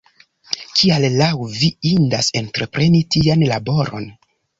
Kial laŭ vi indis entrepreni tian laboron?